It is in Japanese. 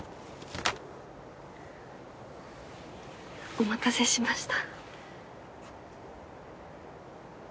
お待たせしました。